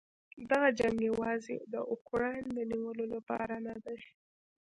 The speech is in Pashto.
دغه جنګ یواځې د اوکراین د نیولو لپاره نه دی.